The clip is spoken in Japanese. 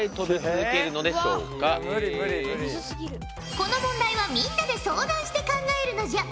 この問題はみんなで相談して考えるのじゃ。